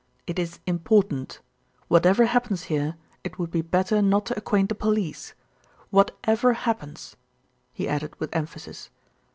It is important. Whatever happens here, it would be better not to acquaint the police whatever happens," he added with emphasis.